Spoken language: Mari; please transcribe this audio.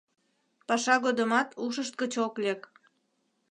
Паша годымат ушышт гыч ок лек.